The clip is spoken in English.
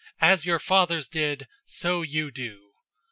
As your fathers did, so you do.